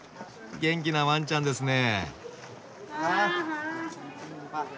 元気なワンちゃんですね。